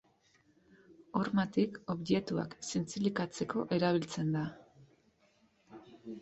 Hormatik objektuak zintzilikatzeko erabiltzen da.